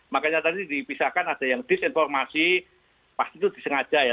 makanya tadi dipisahkan ada yang disinformasi pasti itu disengaja ya